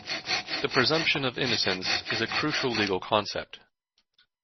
The presumption of innocence is a crucial legal concept.